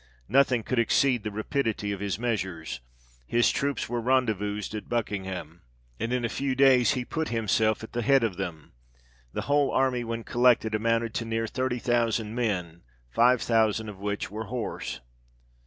Nothing could exceed the rapidity of his measures. His troops were rendezvoused at Bucking ham ; and in a few days he put himself at the head of them. The whole army, when collected, amounted to near thirty thousand men, five thousand of which were horse.